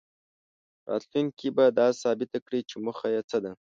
راتلونکې به دا ثابته کړي چې موخه یې څه ده.